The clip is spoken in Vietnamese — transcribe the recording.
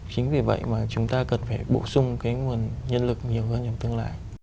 chính vì vậy mà chúng ta cần phải bổ sung cái nguồn nhân lực nhiều hơn trong tương lai